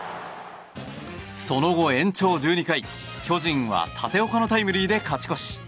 その後、延長１２回、巨人は立岡のタイムリーで勝ち越し。